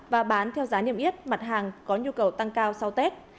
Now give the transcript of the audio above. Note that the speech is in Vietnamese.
và bán theo giá niêm yết mặt hàng có nhu cầu tăng cao sau tết